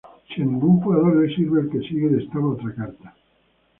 Si a ningún jugador le sirve, el que sigue destapa otra carta.